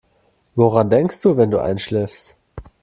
Woran denkst du, wenn du einschläfst?